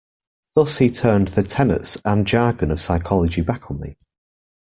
Thus he turned the tenets and jargon of psychology back on me.